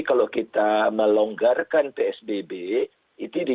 kalau kita melonggarkan psbb itu di